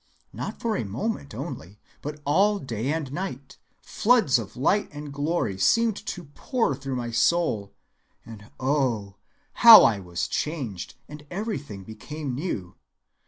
Not for a moment only, but all day and night, floods of light and glory seemed to pour through my soul, and oh, how I was changed, and everything became new.